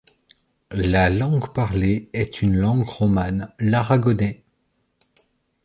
La langue parlée est une langue romane, l'aragonais.